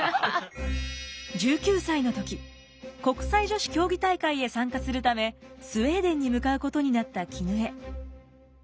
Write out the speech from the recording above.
１９歳の時国際女子競技大会へ参加するためスウェーデンに向かうことになった絹枝。